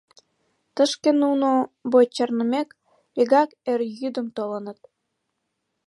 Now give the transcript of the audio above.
Тышке нуно, бой чарнымек, вигак эр йӱдым толыныт.